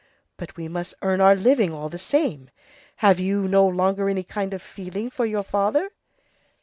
But we must earn our living all the same. Have you no longer any kind feeling for your father?"